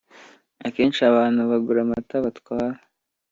akeshi abantu bagura amata batwara